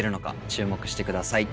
注目して下さい。